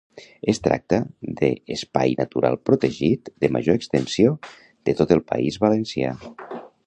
Es tracta de Espai Natural Protegit de major extensió de tot el País Valencià